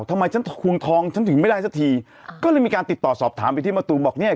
ทำไมฉันทวงทองฉันถึงไม่ได้สักทีก็เลยมีการติดต่อสอบถามไปที่มะตูมบอกเนี่ย